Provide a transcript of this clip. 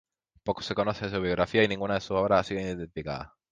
Poco se conoce de su biografía y ninguna de sus obras ha sido identificada.